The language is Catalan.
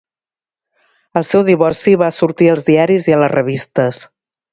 El seu divorci va sortir als diaris i a les revistes.